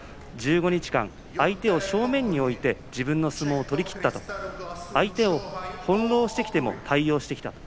１５日間、相手を正面に置いて自分の相撲を取りきったと相手が翻弄してきても対応してきたと。